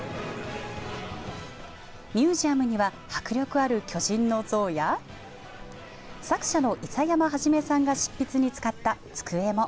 ミュージアムには迫力ある巨人の像や作者の諌山創さんが執筆に使った机も。